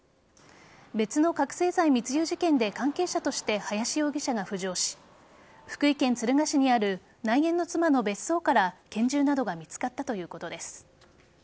別の覚醒剤密輸事件で関係者として林容疑者が浮上し福井県敦賀市にある内縁の妻の別荘から拳銃などが見つかったということです。